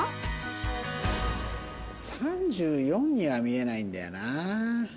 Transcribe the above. ３４には見えないんだよなあ。